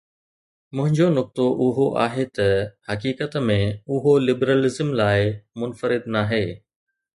منهنجو نقطو اهو آهي ته، حقيقت ۾، اهو لبرلزم لاء منفرد ناهي.